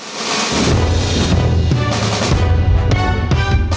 สะพานหินเกิดถึงจากธรรมชาติ